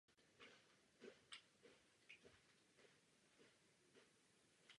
Byla tato záležitost vůbec někdy zmíněna Rusům?